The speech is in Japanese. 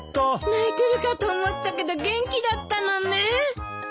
泣いてるかと思ったけど元気だったのね。